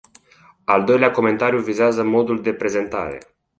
Al doilea comentariu vizează modul de prezentare.